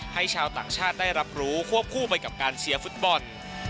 ชาวต่างชาติได้รับรู้ควบคู่ไปกับการเชียร์ฟุตบอล